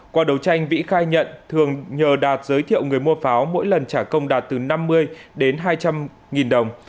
qua đấu tranh vĩ khai nhận thường nhờ đạt giới thiệu người mua pháo mỗi lần trả công đạt từ năm mươi đến hai trăm linh nghìn đồng